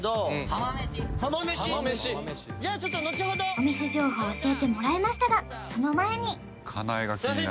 お店情報を教えてもらえましたがその前にすみません